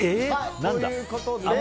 何だ。